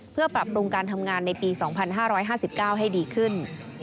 เพื่อปรับปรุงการทำงานในปี๒๕๕๙ให้ดีขึ้น